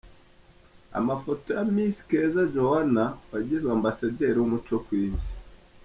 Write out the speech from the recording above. Amafoto ya Miss Keza Joannah wagizwe Ambasaderi w'Umuco ku isi.